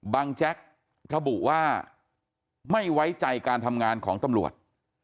แจ๊กระบุว่าไม่ไว้ใจการทำงานของตำรวจ